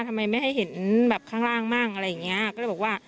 ทำไมไม่ให้เห็นแบบข้างล่างมั่งอะไรอย่างเงี้ยก็เลยบอกว่า